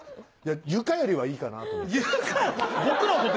床よりはいいかなと床？